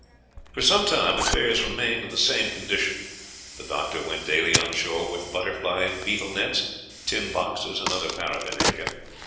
For some time affairs remained in the same condition. The doctor went daily on shore with butterfly and beetle nets, tin boxes, and other paraphernalia.